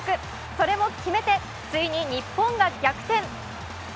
それも決めてついに日本が逆転。